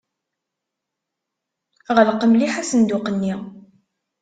Ɣleq mliḥ asenduq-nni.